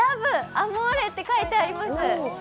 アモーレって書いてあります。